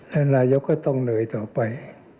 และนายกก็ต้องเหนื่อยต่อไป